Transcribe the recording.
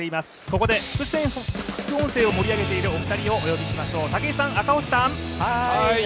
ここで副音声を盛り上げているお二人をお呼びしましょう。